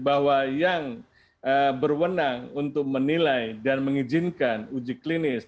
bahwa yang berwenang untuk menilai dan mengizinkan uji klinis